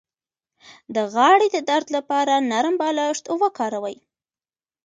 د غاړې د درد لپاره نرم بالښت وکاروئ